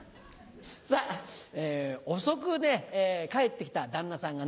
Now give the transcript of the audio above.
さぁ遅く帰ってきた旦那さんがね